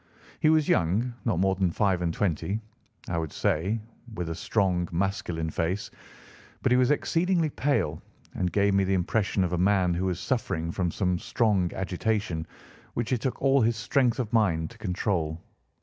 He was young, not more than five and twenty, I should say, with a strong, masculine face; but he was exceedingly pale and gave me the impression of a man who was suffering from some strong agitation, which it took all his strength of mind to control.